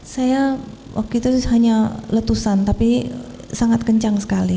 saya waktu itu hanya letusan tapi sangat kencang sekali